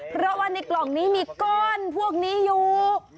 เพราะว่าในกล่องนี้มีก้อนพวกนี้อยู่